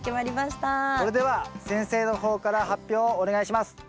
それでは先生の方から発表をお願いします。